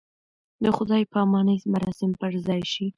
د خدای پامانۍ مراسم پر ځای شي.